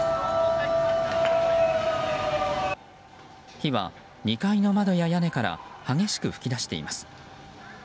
火は２階の窓や屋根から激しく噴き出しています。